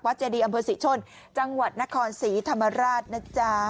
เจดีอำเภอศรีชนจังหวัดนครศรีธรรมราชนะจ๊ะ